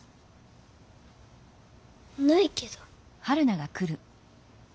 ないけど。